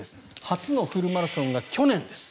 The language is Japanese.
初のフルマラソンが去年です。